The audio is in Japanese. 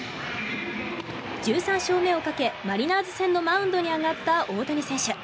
１３勝目をかけ、マリナーズ戦のマウンドに上がった大谷選手。